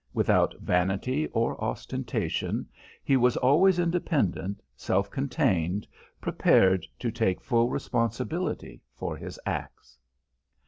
Without vanity or ostentation, he was always independent, self contained, prepared to take full responsibility for his acts.